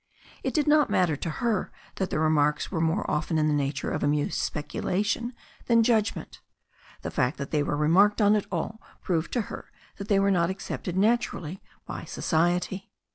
It did not matter to her that the remarks were more often in the tialMtt. Cil 306 THE STORY OF A NEW ZEALAND RIVER amused speculation than judgment The fact that they were remarked on at all proved to her they were not ac cepted naturally by society.